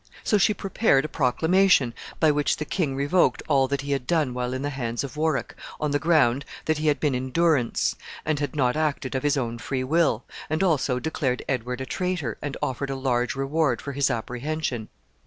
So she prepared a proclamation, by which the king revoked all that he had done while in the hands of Warwick, on the ground that he had been in durance, and had not acted of his own free will, and also declared Edward a traitor, and offered a large reward for his apprehension.